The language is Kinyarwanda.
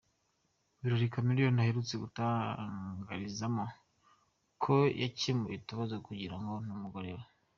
Mu birori Chameleone aherutse gutangarizamo ko yakemuye utubazo yagiranaga n’umugore we.